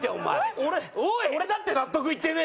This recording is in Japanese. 俺俺だって納得いってねえよ